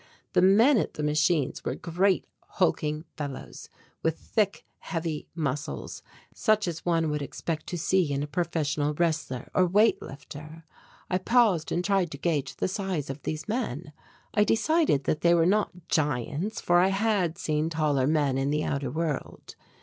The men at the machines were great hulking fellows with thick, heavy muscles such as one would expect to see in a professional wrestler or weight lifter. I paused and tried to gauge the size of these men: I decided that they were not giants for I had seen taller men in the outer world.